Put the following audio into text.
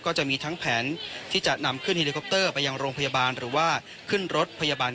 ก็จะมีทั้งแผนที่จะนำขึ้นเฮลิคอปเตอร์ไปยังโรงพยาบาลหรือว่าขึ้นรถพยาบาล